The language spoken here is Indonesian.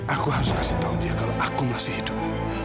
aku harus kasih tau dia kalau aku masih hidup